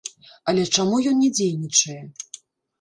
Але чаму ён не дзейнічае?